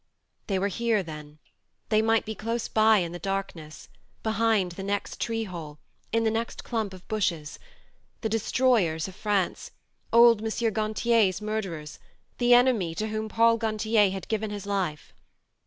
They were here, then : they might be close by in the blackness, behind the next tree hole, in the next clump of bushes the destroyers of France, old M. Gantier's murderers, the enemy to whom Paul Gantier had given his life